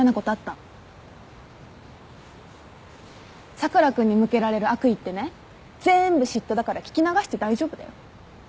佐倉君に向けられる悪意ってね全部嫉妬だから聞き流して大丈夫だよ。